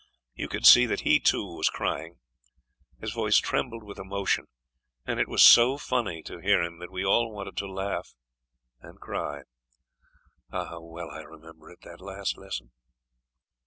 You could see that he, too, was crying; his voice trembled with emotion, and it was so funny to hear him that we all wanted to laugh and cry. Ah, how well I remember it, that last lesson!